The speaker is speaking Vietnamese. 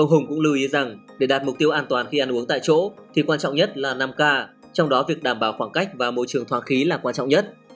ông hùng cũng lưu ý rằng để đạt mục tiêu an toàn khi ăn uống tại chỗ thì quan trọng nhất là năm k trong đó việc đảm bảo khoảng cách và môi trường thoạt khí là quan trọng nhất